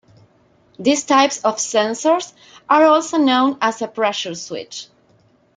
These types of sensors are also known as a pressure switch.